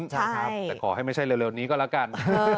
แต่ขอให้ไม่ใช่เร็วนี้ก็ละกัน